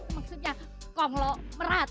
maksudnya konglo merat